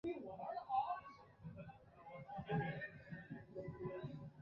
尖尾弄蝶属是弄蝶科竖翅弄蝶亚科中的一个属。